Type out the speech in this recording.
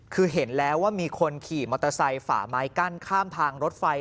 คือเห็นแล้วว่ามีคนขี่มอเตอร์ไซค์ฝ่าไม้กั้นข้ามทางรถไฟ